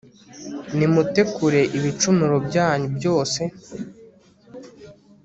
Nimute kure ibicumuro byanyu byose